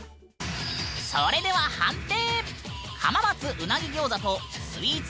それでは判定！